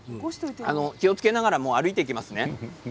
気をつけながら歩いていきます。